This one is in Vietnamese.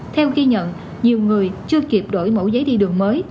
theo ghi nhận nhiều người chưa kịp đổi mẫu giấy đi đường mới